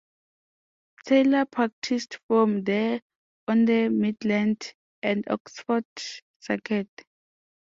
Taylor practised from there on the Midland and Oxford Circuit.